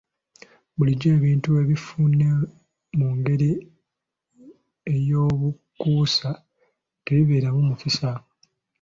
Bulijjo ebintu ebifune mu ngeri ey'obukuusa tebibeeramu mukisa.